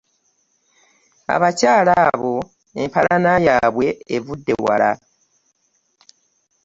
Abakyala abo empalana yaabwe evudde wala.